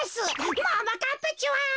ももかっぱちゃん